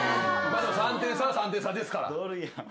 ３点差は３点差ですから。